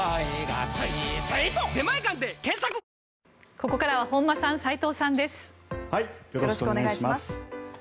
ここからは本間さん、斎藤さんです。